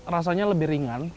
rasanya lebih ringan